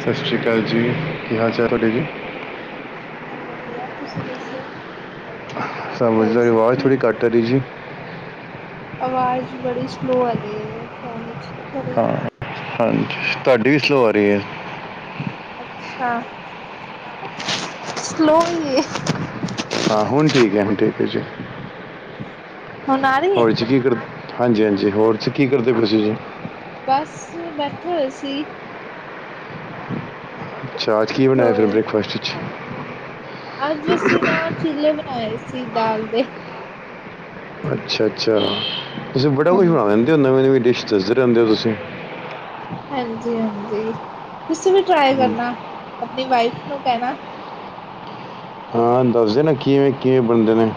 ਸਤਿ ਸ਼੍ਰੀ ਅਕਾਲ ਜੀ ਕੀ ਹਾਲ ਚਾਲ ਤੁਹਾਡੇ ਜੀ ਹਾਂਜੀ ਵਧੀਆ ਤੁਸੀਂ ਦੱਸੋ ਸਮ ਘਰੇ ਤੁਹਾਡੀ ਸਭ ਆਵਾਜ਼ ਠੀਕ ਥੋੜੀ ਕੱਟ ਰਹੀ ਜੀ ਆਵਾਜ਼ ਬੜੀ ਸਲੋ ਹੈਗੀਈ ਹੈ ਫੋਨ ਵਿੱਚ ਅੱਛਾ ਥੋੜੇ ਹਾਂ ਹਾਂਜੀ ਤੁਹਾਡੀ ਵੀ ਸਲਵਾਰੀ ਹੈ ਅੱਛਾ, ਸਲੋ ਹੋਈਏ। ਹਾਂ ਹੁਣ ਠੀਕ ਹੈ ਹੁਣ ਠੀਕ ਹੈ ਜੀ। ਹੁਣ ਆ ਰਹੀ ਹੈ ਹੋੌਲੀ ਚ ਕੀ ਕਰ ਹਾਂਜੀ ਹਾਂਜੀ, ਹੋਰ ਕੀ ਕਰਦੇ ਪਏ ਸੀ ਗੇ। ਬਸ ਬੈਠੇ ਹੋਏ ਸੀ। ਅੱਛਾ ਅੱਜ ਕੀ ਬਇਆ ਫਿਰ ਹੋਰ ਬ੍ਰੇਕਫਾਸਟ ਚ ਅੱਜ ਅਸੀਂ ਨਾ ਚੀਲ ਬਣਾਏ ਸੀ ਦਾਲ ਦੇ ਅੱਛਾ ਅੱਛਾ। ਤੁਸੀਂ ਬੜਾ ਕੁਛ ਬਣਾ ਹਾਂਜੀ ਲਿੰਦੇ ਨਵੀ ਨਵੀ ਡੀਸ਼, ਦੱਸਦੇ ਰਹਿੰਦੇ ਹੋ ਤੁਸੀਂ। ਹਾਂਜੀ ਹਾਂਜੀ ਤੁਸੀਂ ਵੀ ਟਰਾਈ ਹਮ, ਕਰਨਾ, ਆਪਣੀ ਵਾਈਫ ਨੂੰ ਕਹਿਣਾ। ਹਾਂ ਦੱਸਦੇ ਨਾ ਕਿਵੇਂ ਕਿਵੇਂ ਬਣਦੇ ਨੇ,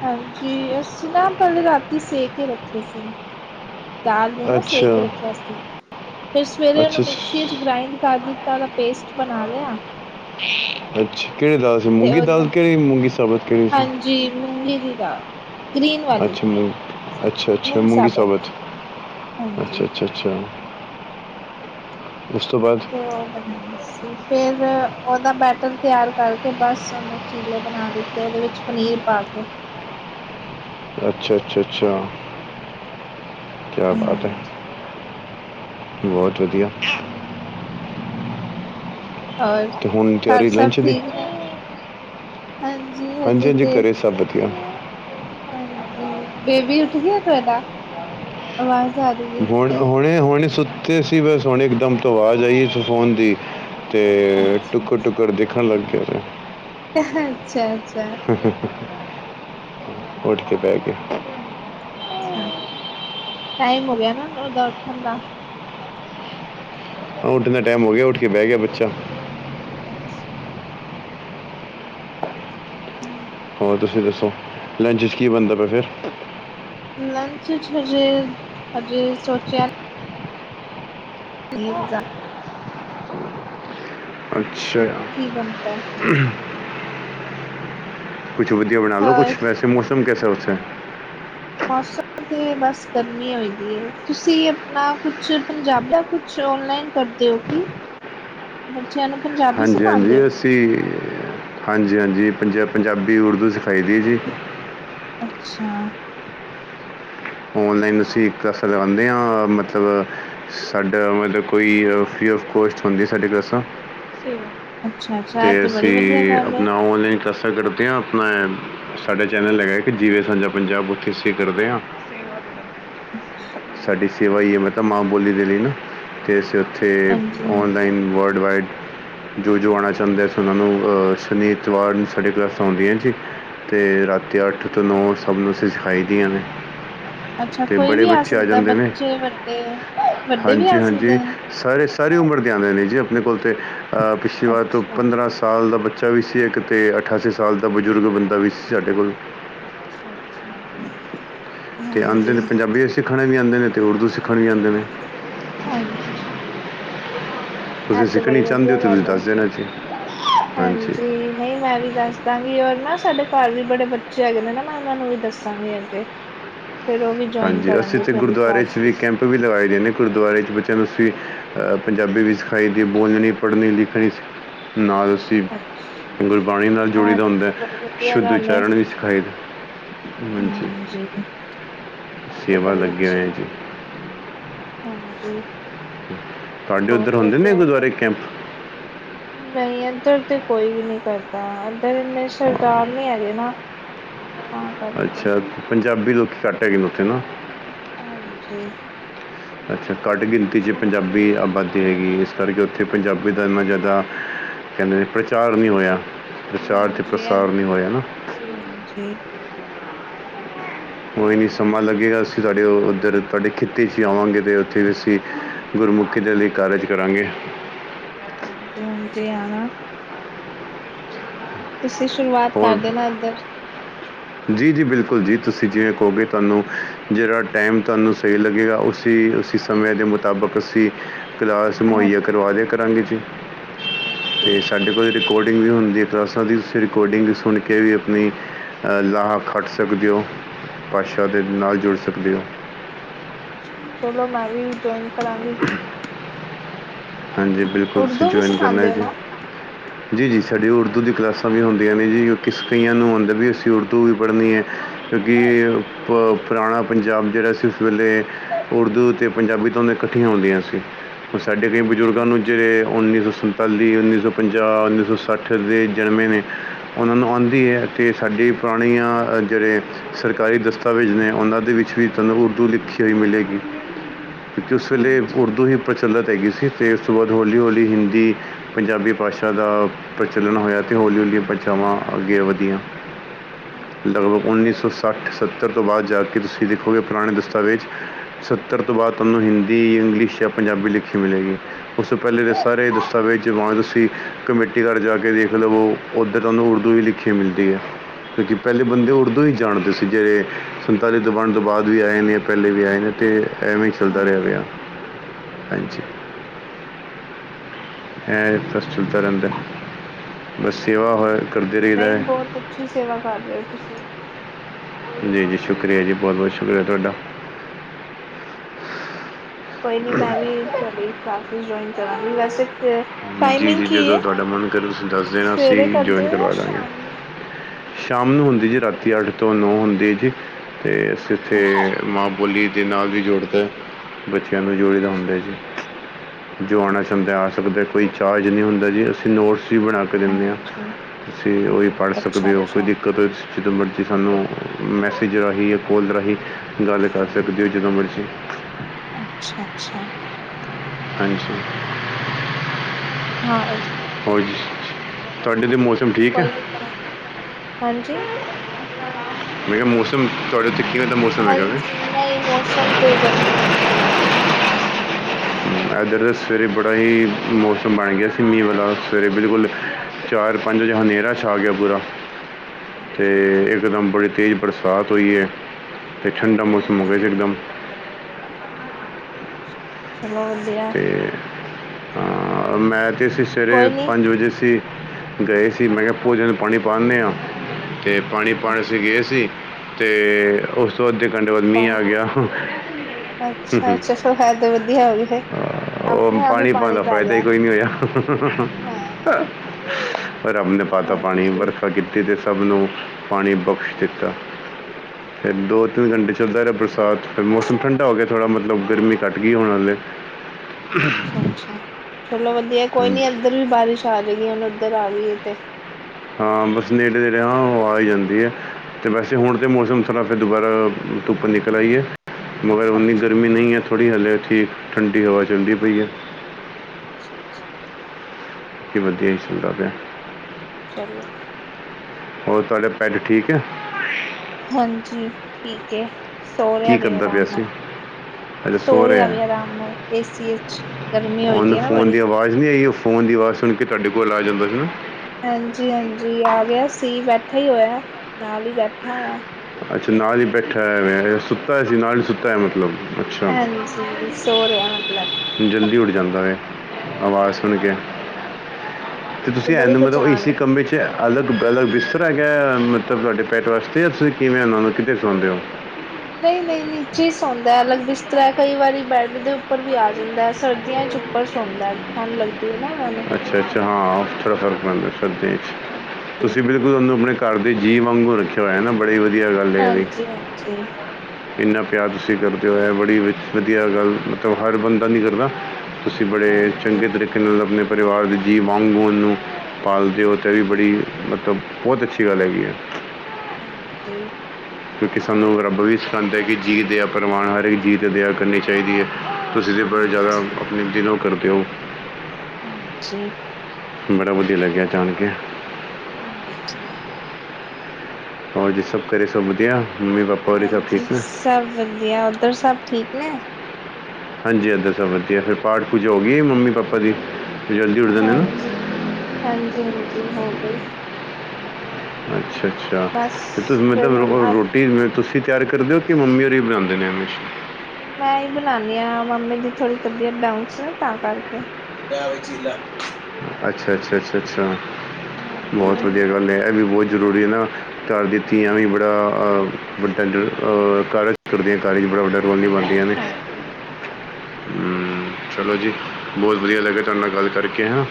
ਹਾਂਜੀ ਅਸੀਂ ਨਾ ਪਹਿਲੇ ਰਾਤੀ ਸੇ ਕੇ ਰੱਖੇ ਸੀ। ਦਾਲ ਨੂੰ ਨਾ ਅੱਛਾ ਸੇਕ ਰੱਖਿਆ ਸੀ ਫਿਰ ਸਵੇਰੇ ਉਹਨੂੰ ਅੱਛਾ ਮਿਕਸੀ ਚ ਸ- ਗ੍ਰਾਇੰਡ ਕਰ ਦਿੱਤਾ ਦਾ ਪੇਸਟ ਬਣਾ ਲਿਆ। ਅੱਛਾ ਕਿਹੜੀ ਦਾਲ ਸੀ ਤੇ ਮੂੰਗੀ ਉਹਦਾ ਦਾਲ ਕਿਹੜੀ ਮੂੰਗੀ ਸਾਬਤ ਕਿਹੜੀ ਸੀ। ਚਾਰ, ਅੱਛਾ, ਅੱਛਾ ਅੱਛਾ, ਮੂੰਗੀ ਸਾਬਤ, ਅੱਛਾ, ਹਾਂਜੀ ਅੱਛਾ, ਅੱਛਾ, ਉਸ ਤੋਂ ਬਾਅਦ ਤੇ ਉਹੋ ਬਣਾਈ ਫਿਰ ਉਹਦਾ ਬਟਰ ਤਿਆਰ ਕਰਕੇ ਬਸ ਉਹਨੂੰ ਚੀਲੇ ਬਣਾ ਦਿੱਤੇ ਉਹਦੇ ਵਿੱਚ ਪਨੀਰ ਪਾ ਕੇ। ਅੱਛਾ-ਅੱਛਾ-ਅੱਛਾ। ਕਿਆ ਬਾਤ ਹੈ। ਹਾਂਜੀ ਬਹੁਤ ਵਧੀਆ। ਹੋਰ ਤੇ ਹੁਣ ਘਰ ਤਿਆਰੀ ਸਭ ਲੰਚ ਦੀ ਠੀਕ ਨੇ। ਹਾਂਜੀ ਹਜੇ ਹਾਂਜੀ ਤੇ ਘਰੇ ਸਭ ਵਧੀਆ। ਹਾਂਜੀ ਬੇਬੀ ਉੱਠ ਗਿਆ ਤੁਹਾਡਾ, ਆਵਾਜ਼ ਆ ਰਹੀ ਹੈ ਹੁਣ ਹਣੇ ਹਣੇ ਹੁਣੀ ਸੁੱਤੇ ਸੀ, ਬਸ ਹੁਣੇ ਇਕ ਦਮ ਤੋਂ ਆਵਾਜ਼ ਆਈ ਉਸ ਫੋਨ ਦੀ, ਅਤੇ ਅੱਛਾ ਟੁੱਕਰ ਅੱਛਾ ਟੁੱਕਰ ਦੇਖਣ ਲੱਗ ਗਿਆ। ਅੱਛਾ ਅੱਛ ਹੂੰ ਹੂੰ ਹੂੰ। ਉੱਠ ਕੇ ਬੈ ਕੇ, ਅੱਛਾ ਟਾਈਮ ਹੋ ਗਿਆ ਨਾ ਉਹਦਾ ਉੱਠਣ ਦਾ ਆਹ ਉੱਠਣ ਦਾ ਟਾਈਮ ਹੋ ਗਿਆ ਉੱਠ ਕੇ ਬਹਿ ਗਿਆ ਬੱਚਾ। ਅੱਛਾ। ਹੂੰ ਹੋਰ ਤੁਸੀਂ ਦੱਸੋ ਲੰਚ ਚ ਕੀ ਬਣਦਾ ਪਿਆ ਫਿਰ ਲੰਚ 'ਚ ਹਜੇ ਹਜੇ ਸੋਚਿਆ [unintelligible] ਅੱਛਾ ਕੀ ਬਣਦਾ ਕੁਛ ਵਧੀਆ ਬਣਾ ਲਉ ਹੋਰ ਕੁਛ ਵੈਸੇ ਮੌਸਮ ਕੈਸਾ ਉਥੇ ਮੌਸਮ ਤਾਂ ਬਸ ਗਰਮੀ ਹੋਏਗੀ ਹੈ ਤੁਸੀਂ ਆਪਣਾ ਕੁਛ ਪੰਜਾਬ ਦਾ ਕੁਛ ਔਨਲਾਈਨ ਕਰਦੇ ਹੋ ਕਿ ਹਾਂਜੀ, ਹਾਂਜੀ, ਅਸੀਂ ਹਾਂਜੀ, ਹਾਂਜੀ। ਪੰਜ ਪੰਜਾਬੀ ਉਰਦੂ ਸਿਖਾਈ ਦੀ ਹੈ ਜੀ। ਅੱਛਾ। ਔਨਲਾਈਨ ਅਸੀਂ ਇਕ ਲਗਾਂਣੇ ਆ ਮਤਲਬ ਸਾਡਾ ਮਤਲਬ ਕੋਈ ਫਰੀ ਆਫ ਕੋਸਟ ਹੁੰਦੀ ਸਾਡੀ ਕਲਾਸਾਂ ਅੱਛਾ, ਅੱਛਾ ਇਹ ਤੇ ਬੜੀ ਵਧੀਆ ਅਸੀਂ ਗੱਲ ਏ। ਆਪਣਾ ਔਨਲਾਈਨ ਕਰਦੇ ਹਾਂ ਆਪਣਾ ਸਾਡਾ ਚੈਨਲ ਹੈਗਾ ਕਿ ਜਿਵੇਂ ਸਾਂਝਾ ਪੰਜਾਬ ਉੱਥੇ ਅਸੀਂ ਕਰਦੇ ਹਾਂ। [inaudible] ਅੱਛਾ, ਸਾਡੀ ਸੇਵਾ ਹੀ ਮਤਲਬ ਤਾਂ ਮਾਂ ਬੋਲੀ ਦੇਨੀ ਨਾ ਤੇ ਅਸੀ ਤੇ ਹਾਂਜੀ, ਹਾਂਜੀ। ਔਨਲਾਈਨ ਵਰਲਡ ਵਾਈਡ ਜੋ ਜੋ ਆਣਾ ਚਾਹੁੰਦੇ ਅਸੀਂ ਉਹਨਾਂ ਨੂੰ ਸ਼ਨੀ ਐਤਵਾਰ ਨੂੰ ਸਾਡੀ ਕਲਾਸਾਂ ਹੁੰਦੀਆਂ ਜੀ ਤੇ ਰਾਤੀ ਅੱਠ ਤੋਂ ਨੌ ਸਭ ਨੂੰ ਸਿਖਾਈ ਦੀਆਂ ਨੇ। ਅੱਛਾ ਅਤੇ ਕੋਈ ਬੜੇ ਵੀ ਆ ਬੱਚੇ ਸਕਦਾ ਜਾਂਦੇ ਨੇ ਬੱਚੇ ਵੱਡੇ ਵੱਡੇ ਵੀ ਹਾਂਜੀ ਆ ਸਕਦੇ ਹਾਂਜੀ ਹੈ। ਸਾਰੇ ਸਾਰੀ ਉਮਰ ਦੀਆ ਆਂਦੇ ਨੇ ਜੀ ਆਪਣੇ ਕੋਲ ਤੇ ਅ ਪਿਛਲੀ ਵਾਰ ਤੋਂ ਅੱਛਾ, ਪੰਦਰਾਂ ਸਾਲ ਦਾ ਬੱਚਾ ਵੀ ਸੀ ਇੱਕ ਤੇ ਅਠਾਸੀ ਸਾਲ ਦਾ ਬਜ਼ੁਰਗ ਬੰਦਾ ਵੀ ਸੀ ਸਾਡੇ ਕੋਲ ਅੱਛਾ ਅੱਛਾ। ਤੇ ਆਦੇ ਹਾਂਜੀ। ਨੇ ਪੰਜਾਬੀ ਸਿੱਖਾਣੇ ਵੀ ਆਦੇ ਨੇ। ਤੇ ਉਰਦੂ ਸਿੱਖਣ ਵੀ ਆਦੇ ਨੇ। ਹਾਂਜੀ। ਇਹ ਤੁਸੀਂ ਤੇ ਸਿੱਖਣੀ ਬੜੀ ਚਾਹੁੰਦੇ ਹੋ ਵਧੀਆ ਤਾਂ ਤੁਸੀਂ ਗੱਲ ਦੱਸ ਦੇਣਾ ਜੀ ਹਾਂਜੀ ਨਹੀਂ ਮੈਂ ਵੀ ਦੱਸ ਗੀ ਔਰ ਨਾ ਸਾਡੇ ਘਰ ਵੀ ਬੜੇ ਬੱਚੇ ਹੈਗੇ ਨੇ ਨਾ ਮੈਂ ਉਹਨਾਂ ਨੂੰ ਵੀ ਦੱਸਾਂਗੀ ਅੱਗੇ। ਫੇਰ ਉਹ ਵੀ ਜੁਆਇਨ ਹਾਂਜੀ ਅਸੀਂ ਕਰਨਗੇ ਤੇ ਤੁਹਾਡੀ ਗੁਰਦੁਆਰੇ ਚ ਵੀ ਕਲਾਸਿਸ। ਕੈਂਪ ਵੀ ਲਗਾਏ ਜਾ ਨੇ ਗੁਰਦੁਆਰੇ ਚ ਬੱਚਿਆਂ ਨੂੰ ਪੰਜਾਬੀ ਵੀ ਸਿਖਾਈ ਦੀ ਬੋਲਣੀ ਅੱਛਾ। ਪੜ੍ਹਨੀ ਲਿਖਣੀ ਸ- ਨਾਲ ਅਸੀਂ ਅੱਛਾ-ਅੱਛਾ, ਗੁਰਬਾਣੀ ਨਾਲ ਜੋੜੀ ਇਹ ਦਾ ਤੇ ਹੁੰਦਾ ਬੜੀ ਵਧੀਆ ਸ਼ੁੱਧ ਗੱਲ ਏ, ਉਚਾਰਨ ਵੀ ਸਿਖਾਈ ਦਾ ਹਾਂਜੀ। ਹੈ ਤੇ ਸੇਵਾ ਬੜੇ ਲੱਗੇ ਹੋਏ ਹਾਂ ਅਛੀਆਂ ਜੀ ਹਾਂਜੀ। ਤੁਹਾਡੇ ਉੱਧਰ ਬਹੁਤ ਹੁੰਦੇ ਨੇ ਵਧੀਆ ਤੇ। ਗੁਰਦੁਆਰੇ ਕੈਂਪ ਨਹੀਂ ਇਧਰ ਤੇ ਕੋਈ ਵੀ ਨ ਨਹੀਂ ਕਰਦਾ ਇੱਧਰ ਇੰਨੇ ਸਰਦਾਰ ਨੀ ਹੈਗੇ ਨਾ। ਤਾਂ ਕਰਕੇ, ਅੱਛਾ। ਪੰਜਾਬੀ ਲੋਕ ਘੱਟ ਹੈਗੇ ਨੇ ਉੱਥੇ ਨਾ ਹਾਂਜੀ। ਅੱਛਾ ਘੱਟ ਗਿਣਤੀ ਚ ਪੰਜਾਬੀ ਆਬਾਦੀ ਹੈਗੀ ਇਸ ਕਰਕੇੇ ਅਤੇ ਪੰਜਾਬੀ ਦਾ ਇੰਨਾ ਜ਼ਿਆਦਾ ਕਹਿੰਦੇ ਨੇ ਪ੍ਰਚਾਰ ਨਹੀਂ ਹੋਇਆ। ਪ੍ਰਚਾਰ ਚ ਹਾਂਜੀ ਅ ਪ੍ਰਸਾਰ ਨਹੀਂ ਹੋਇਆ ਨਾ ਹਾਂਜੀ। ਉਹ ਨੀ ਸਮਾਂ ਲੱਗੇਗਾ ਅਸੀਂ ਤੁਹਾਡੇ ਉੱਧਰ ਤੁਹਾਡੇ ਖਿੱਤੇ ਚ ਆਵਾਂਗੇ ਤੇ ਉੱਥੇ ਵੀ ਅਸੀਂ ਗੁਰਮੁਖੀ ਕਿਤੇ ਲਈ ਕਾਰਜ ਹਾਂਜੀ। ਕਰਾਂਗੇ। ਜੀ ਆ ਨਾ। [unintelligible] ਤੇ ਸ਼ੁਰੂਆਤ ਔਰ ਕਰਦੇ ਨਾ ਇੱਧਰ ਜੀ ਜੀ ਬਿਲਕੁਲ ਜੀ ਤੁਸੀਂ ਜਿਵੇਂ ਕਹੋਗੇ ਤੁਹਾਨੂੰ ਜਿਹੜਾ ਟਾਈਮ ਤੁਹਾਨੂੰ ਸਹੀ ਲੱਗੇਗਾ ਅਂ ਉਸ ਸਮੇਂ ਦੇ ਮੁਤਾਬਕ ਅਸੀਂ ਕਲਾਸ ਮੁਹੱਈਆ ਹਾਂਜੀ। ਕਰਵਾ ਦਿਆ ਕਰਾਂਗੇ ਜੀ। ਹਾਂਜੀ ਤੇ ਸਾਡੇ ਹਾਂਜੀ। ਕੋਲ ਰਿਕੋਡਿੰਗ ਵੀ ਹੁੰਦੀ। ਦੇਵਤਾ ਸਾ ਦੀ ਸਿਰ। ਕੋਡਿੰਗ ਸੁਣ ਕੇ ਵੀ ਆਪਣੀ ਅਹ ਲਾਹਾ ਖੱਟ ਅੱਛਾ ਸਕਦੇ ਹੋ ਭਾਸ਼ਾ ਦੇ ਨਾਲ ਅੱਛਾ ਜੁੜ ਅੱਛਾ। ਸਕਦੇ ਹੋ। ਅੱਛਾ ਚਲੋ ਮੈਂ ਵੀ ਜਇਨ ਕਰਾਂਗੇ। ਹਾਂਜੀ ਬਿਲਕੁਲ ਤੁਸੀ ਜੁਆਇਨ ਕਰਨਾ ਹੋ ਜੀ। ਨਾ। ਜੀ ਜੀ ਸਡਊਲ। ਦੱਧ ਦੀ ਕਲਾਾਂ ਵੀ ਅੱਛਾ ਹੁੰਦੀਆਂ ਨੇ ਜੀ। ਕਿਸ ਕਈਆਂ ਨੂੰ ਆਉਂਦਾ ਵੀ ਅਸੀਂ ਉਰਦੂ ਵੀ ਪੜ੍ਹਨੀ ਹੈ ਕਿਉਂਕਿ ਹਾਂਜੀ ਪੁਰਾਣਾ ਪੰਜਾਬ ਜਿਹੜਾ ਉਸ ਵੇਲੇ ਉਰਦੂ ਅਤੇ ਪੰਜਾਬੀ ਤਾਂ ਉਹਨੂੰ ਇਕੱਠੀਆਂ ਹੁੰਦੀਆਂ ਸੀ। ਸਾਡੇ ਕਈ ਹਾਂਜੀ ਬਜ਼ੁਰਗਾਂ ਨੂੰ ਹਾਂਜੀ ਜਿਹੜੇ ਉੱਨੀ ਸੌ ਸੰਤਾਲੀ ਉੱਨੀ ਸੌ ਪੰਜਾਹ ਉੱਨੀ ਸੌ ਸੱਠ ਦੇ ਜਨਮੇ ਨੇ ਉਹਨਾਂ ਨੂੰ ਆਉਂਦੀ ਹੈ ਅਤੇ ਸਾਡੇ ਪੁਰਾਣੀਆਂ ਜਿਹੜੇ ਸਰਕਾਰੀ ਦਸਤਾਵੇਜ਼ ਨੇ ਉਹਨਾਂ ਦੇ ਵਿੱਚ ਵੀ ਤੁਹਾਨੂੰ ਉਰਦੂ ਲਿਖੀ ਹੋਈ ਮਿਲੇਗੀ। ਉਸ ਵੇਲੇ ਹਾਂਜੀ। ਉਰਦੂ ਹੀ ਪ [unintelligible] ਹੈਗੀ ਸੀ। ਅਤੇ ਉਸ ਤੋਂ ਬਾਅਦ ਹੌਲੀ ਹੌਲੀ ਹਿੰਦੀ ਪੰਜਾਬੀ ਭਾਸ਼ਾ ਦਾ ਪ੍ਰਚਲਨ ਹੋਇਆ ਅਤੇ ਹੌਲੀ ਹੌਲੀ ਭਾਸ਼ਾਵਾਂ ਅੱਗੇ ਵਧੀਆਂ ਹਾਂਜੀ। ਲਗਭਗ ਉੱਨੀ ਸੌ ਸੱਠ ਸੱਤਰ ਤੋਂ ਬਾਅਦ ਜਾ ਕੇ ਤੁਸੀਂ ਦੇਖੋਗੇ ਪੁਰਾਣੇ ਦਸਤਾਵੇਜ਼ ਸੱਤਰ ਤੋਂ ਬਾਅਦ ਤੁਹਾਨੂੰ ਹਿੰਦੀ ਇੰਗਲਿਸ਼ ਜਾਂ ਪੰਜਾਬੀ ਲਿਖੀ ਮਿਲੇਗੀ ਉਸ ਤੋਂ ਪਹਿਲੇ ਸਾਰੇ ਅੱਛਾ [unintelligible] ਜਵਾਂ ਤੁਸੀਂ ਕਮੇਟੀ ਘਰ ਜਾ ਕੇ ਦੇਖ ਲਵੋ ਉੱਧਰ ਤੁਹਾਨੂੰ ਉਰਦੂ ਹੀ ਲਿਖੀ ਮਿਲਦੀ ਹੈ ਕਿਉਂਕਿ ਪਹਿਲੇ ਬੰਦੇ ਉਰਦੂ ਹੀ ਜਾਣਦੇ ਸੀ ਜਿਹੜੇ ਸੰਤਾਲੀ ਤੋਂ ਵੰਡ ਤੋਂ ਬਾਅਦ ਵੀ ਆਏ ਨੇ ਜਾਂ ਪਹਿਲੇ ਵੀ ਆਏ ਨੇ ਅਤੇ ਹਾਂਜੀ [unintelligible] ਹਾਂਜੀ [unintelligible] ਰਹਿੰਦਾ ਹੈ। ਬਸ ਸੇਵਾ ਹੋਏ ਹਾਂਜੀ ਕਰਦੇ ਰਹੀਦਾ ਨਹੀਂ ਹੈ ਬਹੁਤ ਅਛੀ ਸੇਵਾ ਕਰ ਰਹੇ ਹੋ ਤੁਸੀਂ ਜੀ ਜੀ ਸ਼ੁਕਰੀਆ ਜੀ ਬਹੁਤ ਬਹੁਤ ਸ਼ੁਕਰੀਆ ਤੁਹਾਡਾ ਕੋਈ ਨ ਮੈਂ ਵੀ ਥੋੜੀ ਕਲਾਸੀਸ ਜੁਆਇੰਨ ਕਰਾਂਗੀ ਵੈਸੇ ਜੀ ਟਾਈਮਿੰਗ ਜੀ ਕੀ ਜਦੋਂ ਹੈ ਤੁਹਾਡਾ ਮਨ ਕਰੇ ਤੁਸੀਂ ਦੱਸ ਦੇਣਾ ਅਸੀਂ ਸਵੇਰੇ ਜੁਆਇਨ ਕਰਦੇ ਹੋ ਜਾਂ ਕਰਵਾ ਦਾਂਗੇ ਸ਼ਾਮ ਨੂੰ ਸ਼ਾਮ ਨੂੰ ਹੁੰਦੀ ਜੀ ਰਾਤੀ ਅੱਠ ਤੋਂ ਨੌ ਹੁੰਦੀ ਜੀ ਅਤੇ ਅਸੀਂ ਇੱਥੇ ਅੱਛਾ ਮਾਂ ਅੱਛਾ ਬੋਲੀ ਦੇ ਨਾਲ ਵੀ ਜੋੜਦੇ ਬੱਚਿਆਂ ਨੂੰ ਜੋੜੇਦਾ ਹੁੰਦਾ ਅੱਛਾ ਜੀ ਜੋ ਆਉਣਾ [unintelligible] ਆ ਹਾਂਜੀ ਸਕਦੇ ਚਾਰਜ ਨਹੀਂ ਹੁੰਦਾ ਜੀ ਅਸੀਂ ਨੋਟਸ ਤੁਸੀਂ ਬਣਾ ਕੇ ਦਿੰਦੇ ਹਾਂ ਹਾਂਜੀ ਤੁਸੀਂ ਉਹੀ ਹਾਂਜੀ ਪੜ੍ਹ ਅੱਛਾ ਸਕਦੇ ਹੋ ਕੋਈ ਅੱਛਾ ਦਿੱਕਤ ਜਦੋਂ ਮਰਜ਼ੀ ਸਾਨੂੰ ਮੈਸੇਜ ਰਾਹੀਂ ਜਾਂ ਕੋਲ ਰਾਹੀਂ ਗੱਲ ਕਰ ਸਕਦੇ ਹੋ ਜਦੋਂ ਮਰਜ਼ੀ ਅੱਛਾ ਅੱਛਾ ਹਾਂਜੀ ਹਾਂ ਠੰਡੇ ਦੇ ਮੌਸਮ ਠੀਕ ਹੈ ਕੋਈ ਨੀ ਕਰਾਂਗੇ ਹਾਂਜੀ ਮੈਂ ਕਿਹਾ ਮੌਸਮ ਤੁਹਾਡੇ ਕਿਵੇਂ ਦਾ ਮੌਸਮ ਹੈਗਾ ਵੇ ਹਾਂਜੀ ਨਹੀਂ ਹੀ ਮੌਸਮ ਤੇ ਗਰਮੀ ਹੋਦੀ ਅੰਦਰ ਵਾਲੀ ਇੱਧਰ ਸਵੇਰੇ ਬੜਾ ਹੀ ਮੌਸਮ ਬਣ ਗਿਆ ਸੀ ਮੀਂਹ ਵਾਲਾ ਸਵੇਰੇ ਬਿਲਕੁਲ ਚਾਰ ਪੰਜ ਜਹਾ ਹਨੇਰਾ ਛਾ ਗਿਆ ਪੂਰਾ ਤੇ ਅੱਛਾ ਅੱਛਾ ਇਕਦਮ ਬੜੀ ਤੇਜ਼ ਬਰਸਾਤ ਹੋਈ ਹੈ ਅਤੇ ਠੰਡਾ ਮੌਸਮ ਹੋ ਗਿਆ ਹਾਂਜੀ 'ਕਦਮ ਅੱਛਾ ਅੱਛਾ [unintelligible] ਚਲੋ ਵਧੀਆ [unintelligible] ਅਤੇ [unintelligible] ਅਸੀਂ ਸਵੇਰੇ ਕੋਈ ਨੀ ਪੰਜ ਵਜੇ ਸੀ ਗਏ ਸੀ ਮੈਂ ਕਿਹਾ ਭੋਜਨ ਪਾਣੀ ਪਾਂਨੇ ਹਾਂ ਤੇ ਪਾਣੀ ਪਾਣੀ ਅਸੀਂ ਅੱਛਾ ਗਏ ਸੀ ਤੇ ਉਸ ਤੋਂ ਅੱਧੇ ਘੰਟੇ ਬਾਅਦ ਮੀਂਹ ਬਸ ਆ ਗਿਆ [unintelligible] ਅੱਛਾ ਅੱਛਾ ਸਫ ਤੇ [unintelligible] ਵਧੀਆ ਹੋਵੇ [unintelligible] ਅ ਉਹ ਪਾਣੀ ਪਾ ਦਾ ਫਾਇਦਾ ਹੀ ਗਿਆ। ਕੋਈ ਨੀ ਹਾਂ ਹੋਇਆ ਰੱਬ ਨੇ ਪਾਤਾ ਪਾਣੀ ਹਾਂਜੀ ਬਰਖਾ ਕੀਤੀ ਤੇ ਸਭ ਨੂੰ ਪਾਣੀ ਬਖਸ਼ ਦਿੱਤਾ ਹਾਂਜੀ ਫਿ ਦੋ ਤਿੰਨ ਘੰਟੇ ਚੱਲਦਾ ਰਿਹਾ ਬਰਸਾਤ ਫਿਰ ਮੌਸਮ ਠੰਡਾ ਹੋ ਗਿਆ ਥੋੜ੍ਹਾ ਮਤਲਬ ਗਰਮੀ ਘੱਟ ਗਈ ਹੋਣ ਹਾਲੇ ਅੱਛਾ ਅੱਛਾ ਚਲੋ ਵਧੀਆ ਕੋਈ ਨੀ ਹਾਂਜੀ ਇੱਧਰ ਵੀ ਬਾਰਿਸ਼ ਆ ਜਾਏਗੀ ਹੁਣ ਉੱਧਰ ਆ ਗਈ ਏ ਤੇ ਹਾਂ ਬਸ ਨੇੜ ਦੇ ਰਿਹਾ [unintelligible] ਓ ਆ ਈ ਜਾਂਦੀ ਹੈ ਤੇ ਵੈਸੇ ਤੇ ਹੁਣ ਦੇ ਮੌਸਮ ਥੋ੍ਹਾ [unintelligible] ਫਿਰ ਦੁਬਾਰਾ ਧੁੱਪ ਨਿਕਲ ਆਈ ਐ ਮਗਰ ਅੱਛਾ ਓਨੀ ਗਰਮੀ ਅੱਛਾ ਨਹੀਂ ਹੈਥੋੜੀ ਹਲੇ ਠੀਕ ਠੰਡੀ ਹਵਾ ਚਲਦੀ ਪਈ ਆ ਅੱਛ ਅੱਛਾ ਕੀ ਵਧੀਆ ਹੀ ਸੁਣਦਾ ਪਿਆ ਚਲੋ ਹੋਰ ਤੁਹਾਡਾ ਪੈਡ ਠੀਕ ਐ ਹਾਂਜੀ ਠੀਕ ਐ ਸੋ ਰਿਹਾ ਕੀ ਵੇ ਕਰਦਾ ਪਿਆ ਆਰਾਮ ਸੀ ਨਾਲ ਸੋ ਰਿਹਾ ਵੇ ਆਰਾਮ ਨਾਲ ਏਸੀਏ ਗਰਮੀ ਹੋਦੀ ਉਹਨੂੰ ਹੈ ਨਾ ਫੋਨ ਬੜੀ ਦੀ ਆਵਾਜ਼ ਨਹੀਂ ਆਈ ਉਹ ਫੋਨ ਦੀ ਆਵਾਜ਼ ਸੁਣ ਕੇ ਤੁਹਾਡੇ ਕੋਲ ਆ ਜਾਂਦਾ ਸੀ ਨਾ ਹਾਂਜੀ ਹਾਂਜੀ ਆ ਗਿਆ ਸੀ ਬੈਠਾ ਹੀ ਹੋਇਆ ਨਾਲ ਹੀ ਬੈਠਾ ਹੋਇਆ ਅੱਛਾ ਨਾਲ ਹੀ ਬੈਠਾ ਹੈ ਮੈਂ ਸੁੱਤਾ ਅ ਸੀ ਨਾਲ ਹੀ ਸੁੱਤਾ ਹੈ ਮਤਲਬ ਅੱਛਾ ਹਾਂਜੀ ਸੋਹ ਰਿਆ ਮਤਲਬ ਜਲਦੀ ਉੱਠ ਜਾਂਦਾ ਹੈ ਆਵਾਜ਼ ਸੁਣ ਕੇ ਹਾਂਜੀ ਹਾਂਜੀ ਤੇ ਇਹਨੂੰ ਤੁਸੀਂ ਬੜੀ ਐਨ ਮਤਲਬ ਪਹਿਚਾਣ ਏਸੀ ਹੈ ਕੰਮੇ ਚ ਅਲੱਗ ਬਲੱਗ ਸਰ ਹੈਗਾ ਮਤਲਬ ਤੁਹਾਡੇ ਪੈਟ ਵਾਸਤੇ ਸੀਂ ਕਿਵੇਂ ਉਹਨਾਂ ਨੂੰ ਕਿਤੇ ਸੌਂਦੇ ਹੋ ਹਮ ਨਹੀਂ ਨਹੀਂ ਨਹੀਂ ਚੀਜ਼ ਸੌਂਦਾ ਹੈ ਅਲੱਗ ਬਿਸਤਰਾ ਹੈ ਕਈ ਵਾਰੀ ਬੈੱਡ ਦੇ ਉੱਪਰ ਵੀ ਆ ਜਾਂਦਾ ਹੈ ਸਰਦੀਆਂ ਚ ਉੱਪਰ ਸੌਦਾ ਠੰਢ ਲੱਗਦਾ ਲਾ ਨਾਨੂੰ [unintelligible] ਹਾਂਥ ਫਰਕੈਂਦੇ ਕਰਦੇ ਹਾਂਜੀ ਤੁਸੀਂ ਬਿਲਕੁਲ ਤੁਹਾਨੂੰ ਆਪਣੇ ਘਰ ਦੇ ਜੀਅ ਵਾਂਗੂ ਰੱਖਿਆ ਹੋਇਆ ਨਾ ਬੜੀ ਵਧੀਆ ਗੱਲ ਇਹਦੀ ਹਾਂਜੀ ਹਾਂਜੀ ਇੰਨਾ ਪਿਆਰ ਤੁਸੀਂ ਕਰਦੇ ਹੋਏ ਬੜੀ ਵ ਵਧੀਆ ਗੱਲ ਮਤਲਬ ਹਰ ਬੰਦਾ ਨਹੀਂ ਕਰਦਾ ਤੁਸੀਂ ਬੜੇ ਹਾਂਜੀ ਚੰਗੇ ਤਰੀਕੇ ਨਾਲ ਆਪਣੇ ਪਰਿਵਾਰ ਦੇ ਜੀ ਵਾਂਗੂਆਂ ਨੂੰ ਪਾਲਦੇਓ ਅਤੇ ਇਹ ਵੀ ਹਾਂਜੀ ਬੜੀ ਮਤਲਬ ਬਹੁਤ ਅੱਛੀ ਅੱਛੀ ਗੱਲ ਹੈਗੀ ਹੈ ਹਾਂਜੀ ਕਿਉਂਕਿ ਸਾਨੂੰ ਰੱਬ ਵੀ ਸਿਕਉਂਦਾ [unintelligible] ਕਿ ਜੀਅ ਦਇਿਆ ਪ੍ਰਵਾਾਨ ਹਰ ਇੱਕ ਜੀਅ ਦੀ ਦਇਆ ਕਰਨੀ ਚਾਹੀਦੀ ਹੈ ਤੁਸੀਂ ਦੇ ਬ ਜ਼ਿਆਦਾ ਹਾਂਜੀ ਆਪਣੀ ਦਿਨ ਉਹ ਕਰਦੇ ਪਓ [unintelligible] ਹਾਂਜੀ ਬੜਾ ਵਧੀਆ ਲੱਗਿਆ ਜਾਣ ਕੇ ਹਾਂਜੀ ਹੋਰ ਜੇ ਸਭ ਕਰੇ ਸੁਭਦੇਿਆ [unintelligible] ਹਾਂਜੀ ਸਭ ਵਧੀਆ ਉੱਧਰ ਸਭ ਠੀਕ ਨੇ ਹਾਂਜੀ ਅੱਧ [unintelligible] ਸਭ ਵਧੀਆ ਫਿਰ ਪਾਠ ਪੂਜਾ ਹੋ ਗਈ ਮੰਮੀ ਪਾਪਾ ਦੀ ਜਲਦੀ ਉੱਠ ਜਾਂਦੇ ਨਾ ਹਾਂਜੀ ਹਾਂਜੀ ਹਾਂਜੀ ਹੋਰ ਬਈ ਅੱਛਾ ਅੱਛਾ ਅਤੇ ਤੁਸੀਂ ਫਿਰ ਮਤਲਬ ਹੁਣ ਅੱਜ ਰੋਟੀ ਮੈਂ ਤੁਸੀਂ ਤਿਆਰ ਕਰਦੇ ਹੋ ਕਿ ਮੰਮੀ ਉਰ ਹੀ ਬਣਾਉਦੇ ਨੇ ਹਮੇਸ਼ਾ ਮੈਂ ਹੀ ਬਣਾਾਨਨੀ ਆ ਮੰਮੀ ਦੀ ਥੋੜੀ [unintelligible] ਅੱਛਾ ਅੱਛਾ ਅੱਛਾ ਅੱਛਾ ਬਹੁਤ ਹਾਂਜੀ ਵਧੀਆ ਗੱਲ ਹੈ ਇਹ ਵੀ ਬਹੁਤ ਜ਼ਰੂਰੀ ਹੈ ਨਾ ਕਰ ਦੀ ਧੀਆਂ ਵੀ ਬੜਾ ਵੱ ਟੈਂਡਰ ਕਾਰਜ ਕਰਦੀਆਂ ਕਾਰਜ ਬੜਾ ਵੱਡਾ ਬੋਲੀ ਬਣਦੀਆਂ ਨੇ ਹਾਂਜੀ ਹਮ ਚਲੋ ਜੀ ਬਹੁਤ ਵਧੀਆ ਲੱਗਿਆ ਤੁਹਾਡੇ ਨਾਲ ਗੱਲ ਕਰਕੇ ਹਾਂ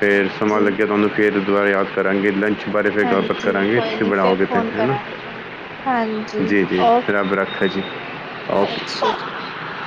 ਫੇਰ ਸਮਾਂ ਹਾਂਜੀ ਲੱਗਿਆ ਤੁਹਾਨੂੰ ਫੇਰ ਦੁਆਰਾ ਯਾਦ ਕਰਾਂਗੇ ਲੰਚ ਉਸ ਬਾਰੇ ਫਿਰ ਗੱਲਪਤ ਹਾਂਜੀ ਕਰਾਂਗੇ ਕੋਈ ਤੁਸੀਂ ਨੀ ਫਿਰ ਬਣਾਾਓਗੇ ਤਾਂ ਫੋਨ ਹੈ ਨਾ ਕਰਾਂਗੇ ਤੁਹਾਨੂੰ ਹਾਂਜੀ ਜੀ ਜੀ ਓਕੇ ਫਿਰ ਅਬ ਰੱਖ ਹੈ ਜੀ ਸਤਿ ਕੇ ਸ਼੍ਰੀ ਅਕਾਲ। [inaudible]